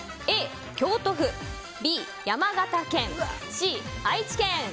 Ａ、京都府Ｂ、山形県Ｃ、愛知県。